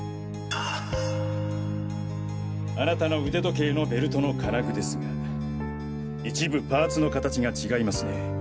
あなたの腕時計のベルトの金具ですが一部パーツの形が違いますね。